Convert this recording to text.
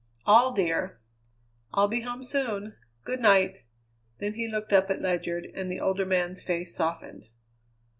"All, dear." "I'll be home soon. Good night." Then he looked up at Ledyard, and the older man's face softened.